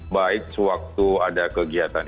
baik sewaktu ada kegiatan